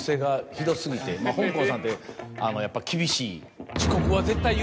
ほんこんさんってやっぱ厳しい。